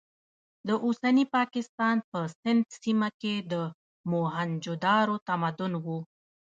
د اوسني پاکستان په سند سیمه کې د موهنجو دارو تمدن و.